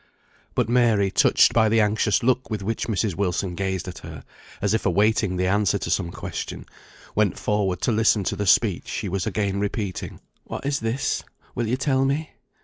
But Mary, touched by the anxious look with which Mrs. Wilson gazed at her, as if awaiting the answer to some question, went forward to listen to the speech she was again repeating. "What is this? will you tell me?"